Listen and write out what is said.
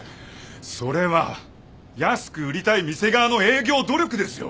それは安く売りたい店側の営業努力ですよ。